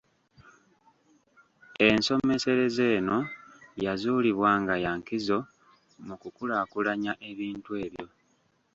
Ensomeserezo eno yazuulibwa nga ya nkizo mu kukulaakulanya ebintu ebyo.